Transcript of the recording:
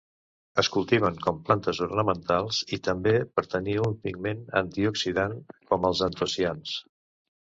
Es cultiven com plantes ornamentals i també per tenir un pigment antioxidant com els antocians.